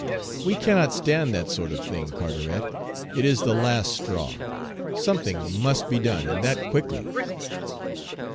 We cannot stand that sort of thing, Carteret, it is the last straw! Something must be done, and that quickly!"